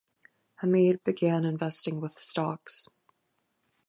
Hamid began investing with stocks.